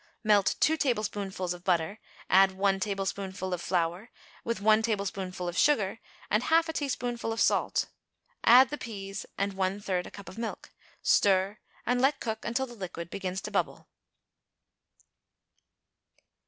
Melt two tablespoonfuls of butter; add one tablespoonful of flour with one teaspoonful of sugar and half a teaspoonful of salt; add the peas and one third a cup of milk, stir, and let cook until the liquid begins to bubble.